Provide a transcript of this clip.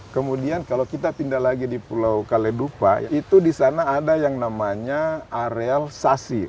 kemudian kalau kita pindah lagi di pulau kaledupa itu di sana ada yang namanya areal sasi